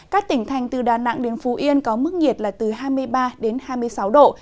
các tỉnh thành từ đà nẵng đến phú yên có mức nhiệt là từ hai mươi ba đến hai mươi sáu độ